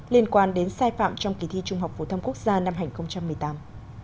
liên quan đến sai phạm trong kỳ thi trung học phổ thông quốc gia năm hai nghìn một mươi tám